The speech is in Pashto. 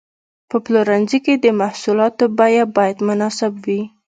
په پلورنځي کې د محصولاتو بیه باید مناسب وي.